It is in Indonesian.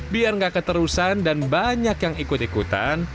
biar nggak keterusan dan banyak yang ikut ikutan